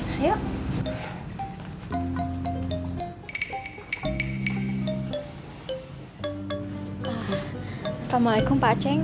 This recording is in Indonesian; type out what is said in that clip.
assalamualaikum pak ceng